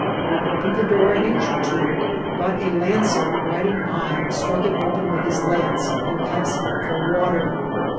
We opened the door an inch or two, but a lancer riding by struck it open with his lance, and asked for water.